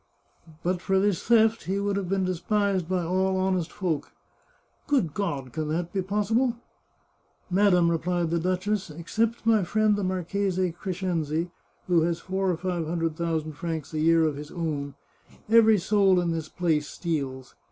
" But for this theft he would have been despised by all honest folk." " Good God ! can that be possible ?"" Madam," replied the duchess, " except my friend the Marchese Crescenzi, who has four or five hundred thousand francs a year of his own, every soul in this place steals.